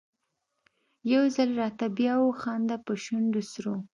يو ځل راته بیا وخانده په شونډو سرو